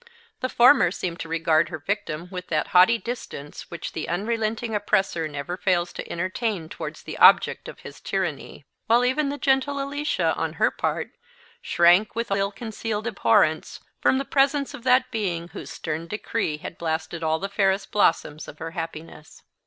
The former seemed to regard her victim with that haughty distance which the unrelenting oppressor never fails to entertain towards the object of his tyranny; while even the gentle Alicia, on her part, shrank, with ill concealed abhorrence, from the presence of that being whose stern decree had blasted all the fairest blossoms of her happiness.